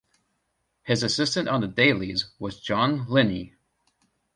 His assistant on the dailies was John Liney.